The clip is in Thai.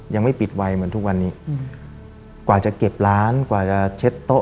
ยังไม่ปิดไวเหมือนทุกวันนี้กว่าจะเก็บร้านกว่าจะเช็ดโต๊ะ